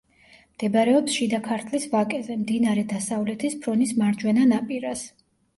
მდებარეობს შიდა ქართლის ვაკეზე, მდინარე დასავლეთის ფრონის მარჯვენა ნაპირას.